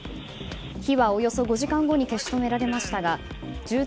火はおよそ５時間後に消し止められましたが住宅